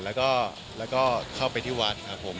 แล้วก็เข้าไปที่วัดครับผม